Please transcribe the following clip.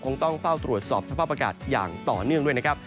ต้องเฝ้าตรวจสอบสภาพอากาศอย่างต่อเนื่องด้วยนะครับ